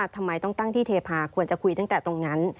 ทำไมต้องตั้งที่เทพาควรจะคุยตั้งแต่ตรงนั้น